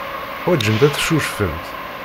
Ḥwajent ad ccucfent.